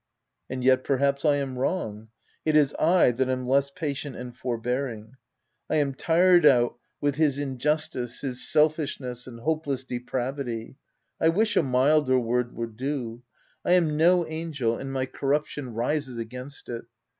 And yet, per haps, I am wrong : it is / that am less patient and forbearing. I am tired out with his injus OF WILDFBLL HALL. 213 tice, his selfishness and hopeless depravity — I wish a milder word would do —; I am no angel and my corruption rises against it.